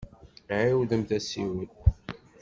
Ɛiwdemt asiwel.